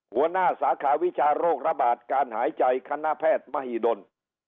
หัวหน้าสาขาวิชาโรคระบาดการหายใจคณะแพทย์มหิดล